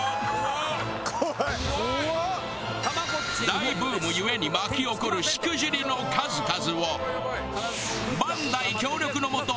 大ブームゆえに巻き起こるしくじりの数々をバンダイ協力のもと